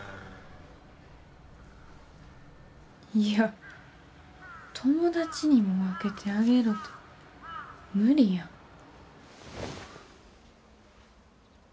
いや友達にも分けてあげろて無理やん。